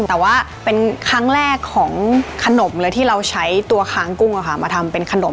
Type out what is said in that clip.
แต่ว่าเป็นครั้งแรกของขนมเลยที่เราใช้ตัวค้างกุ้งมาทำเป็นขนม